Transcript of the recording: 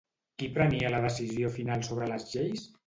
Qui prenia la decisió final sobre les lleis?